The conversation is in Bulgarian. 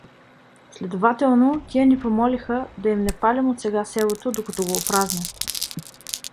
Следователно, тия ни помолиха да им не палим отсега селото, докато го опразнят.